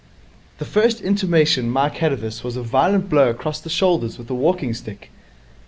The first intimation Mike had of this was a violent blow across the shoulders with a walking stick.